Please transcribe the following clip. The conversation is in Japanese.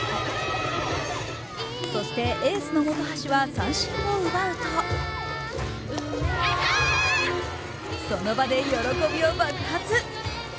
そして、エースの本橋は三振を奪うとその場で喜びを爆発。